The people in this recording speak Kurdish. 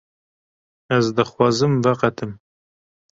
Ez dixwazim veqetim.